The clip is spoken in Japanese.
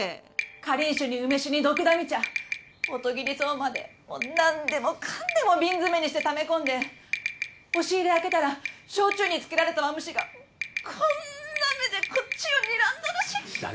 かりん酒に梅酒にどくだみ茶オトギリソウまで何でもかんでも瓶詰にしてため込んで押し入れ開けたら焼酎に漬けられたマムシがこんな目でこっちをにらんどるし。